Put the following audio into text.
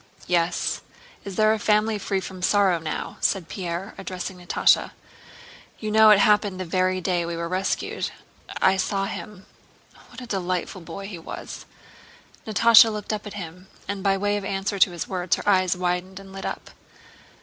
"Yes, is there a family free from sorrow now?" said Pierre, addressing Natásha. "You know it happened the very day we were rescued. I saw him. What a delightful boy he was!" Natásha looked at him, and by way of answer to his words her eyes widened and lit up.